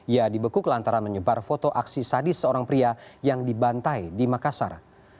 ia dibekuk lantaran menyebar foto aksi sadis seorang pria yang dibantai di makassar